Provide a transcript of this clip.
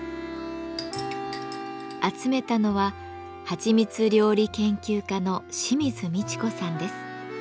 集めたのははちみつ料理研究家の清水美智子さんです。